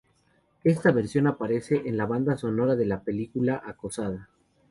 Esta versión aparece en la banda sonora de la película "Acosada".